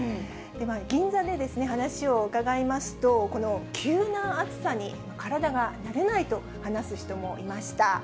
銀座で話を伺いますと、この急な暑さに体が慣れないと話す人もいました。